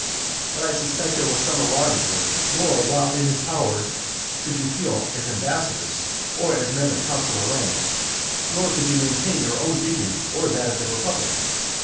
But, I suspect there was some alarm at work, nor, while in his power, could you feel as ambassadors, or as men of consular rank, nor could you maintain our own dignity, or that of the republic.